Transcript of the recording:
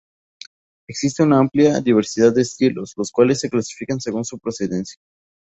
Existe una amplia diversidad de estilos, los cuales se clasifican según su procedencia.